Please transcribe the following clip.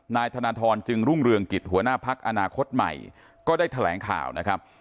นายธนทรจึงรุ่งเรืองกิจหัวหน้าพักอนาคตใหม่ก็ได้แถลงข่าวนะครับ